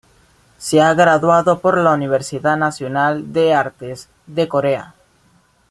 Se ha graduado por la Universidad Nacional de Artes de Corea.